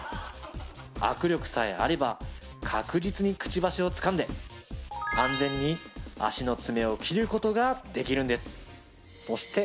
握力さえあれば確実にくちばしをつかんで安全に足の爪を切ることができるんですそして